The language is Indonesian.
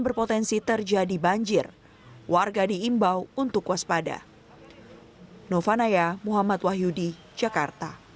berpotensi terjadi banjir warga diimbau untuk waspada novanaya muhammad wahyudi jakarta